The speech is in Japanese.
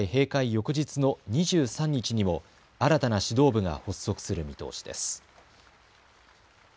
翌日の２３日にも新たな指導部が発足する見通しです。